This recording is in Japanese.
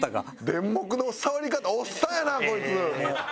デンモクの触り方おっさんやなこいつ！